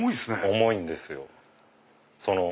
重いんですよ。